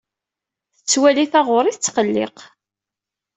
Tettwali taɣuri tettqelliq.